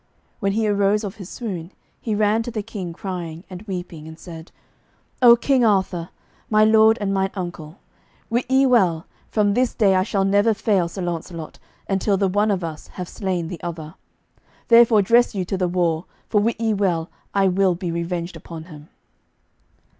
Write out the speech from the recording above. When he arose of his swoon he ran to the King crying, and weeping, and said: "O King Arthur, my lord and mine uncle, wit ye well, from this day I shall never fail Sir Launcelot, until the one of us have slain the other. Therefore dress you to the war, for wit ye well I will be revenged upon him."